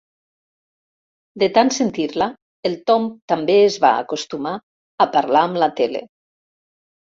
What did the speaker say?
De tant sentir-la el Tom també es va acostumar a parlar amb la tele.